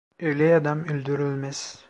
Öyle adam öldürülmez…